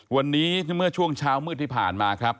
วันนี้เมื่อช่วงเช้ามืดที่ผ่านมาครับ